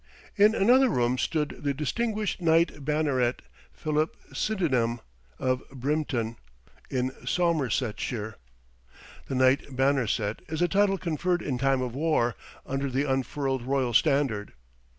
In another room stood the distinguished Knight Banneret, Philip Sydenham of Brympton in Somersetshire. The Knight Banneret is a title conferred in time of war, under the unfurled royal standard.